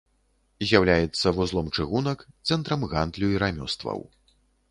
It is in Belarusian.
З'яўляецца вузлом чыгунак, цэнтрам гандлю і рамёстваў.